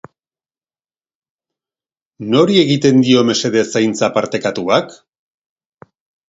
Nori egiten dio mesede zaintza partekatuak?